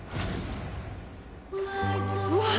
うわっ！